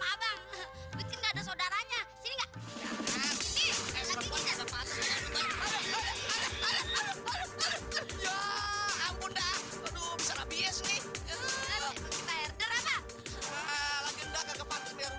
ada saudaranya ya ampun dah bisa habis nih